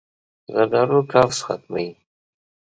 زردالو قبض ختموي.